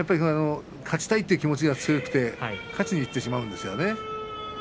勝ちたいという気持ちが強くて勝ちにいってしまうんですよね。